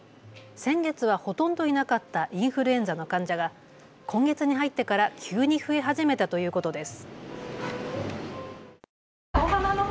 先月はほとんどいなかったインフルエンザの患者が今月に入ってから急に増え始めたということです。